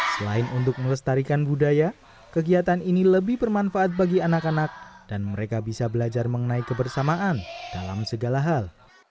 selain untuk melestarikan budaya kegiatan ini lebih bermanfaat bagi anak anak dan mereka bisa belajar mengenai kebersamaan dalam segala hal